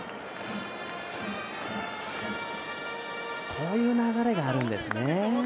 こういう流れがあるんですね。